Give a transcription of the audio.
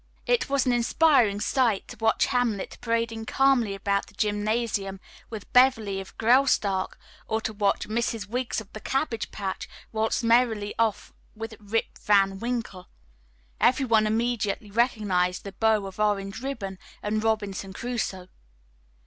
It was an inspiring sight to watch "Hamlet" parading calmly about the gymnasium with "Beverly of Graustark," or to watch "Mrs. Wiggs of the Cabbage Patch" waltz merrily off with "Rip Van Winkle." Every one immediately recognized "The Bow of Orange Ribbon" and "Robinson Crusoe."